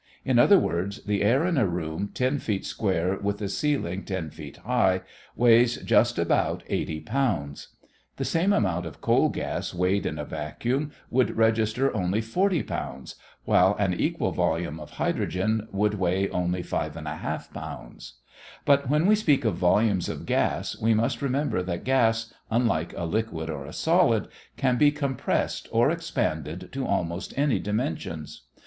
In other words, the air in a room ten feet square with a ceiling ten feet high, weighs just about 80 pounds. The same amount of coal gas weighed in a vacuum would register only 40 pounds; while an equal volume of hydrogen would weigh only 5 1/2 pounds. But when we speak of volumes of gas we must remember that gas, unlike a liquid or a solid, can be compressed or expanded to almost any dimensions.